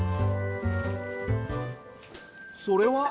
それは？